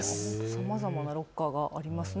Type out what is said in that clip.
さまざまなロッカーがありますね。